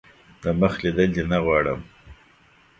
دمخ لیدل دي نه غواړم .